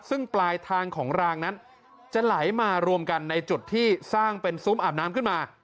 ซึ่งปลายทางของรางนั้นจะไหลมารวมกันในจุดที่สร้างเป็นซุ้มอาบน้ำขึ้นมา